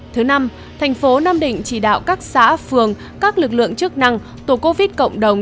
thứ năm thành phố nam định chỉ đạo các xã phường các lực lượng chức năng tổ covid cộng đồng